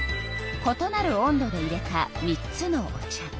ことなる温度でいれた３つのお茶。